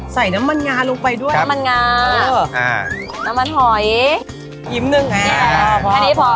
ใส่น้ำมันงาลงไปด้วยน้ำมันงาน้ำมันหอยอิ่มนึงแค่นี้พอ